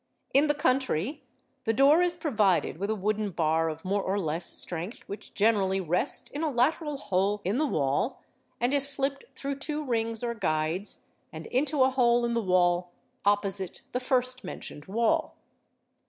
In the country the door is provided with a wooden bar of more or less strength which generally rests in a lateral hole in the wall and is slipped through two rings or guides and into a hole in the wall opposite the first mentioned wall.